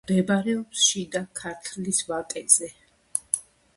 მდებარეობს შიდა ქართლის ვაკეზე.